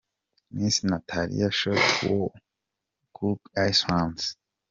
Miss Natalia Short wa Cook Islands.